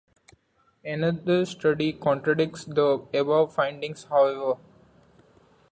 Another study contradicts the above findings, however.